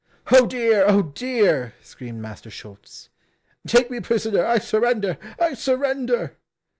"Oh dear! Oh dear!" screamed Master Schulz. "Take me prisoner; I surrender! I surrender!"